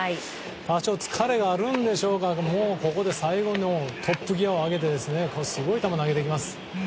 多少、疲れはあるんでしょうがもう、ここで最後のトップギアを上げてすごい球を投げてきます。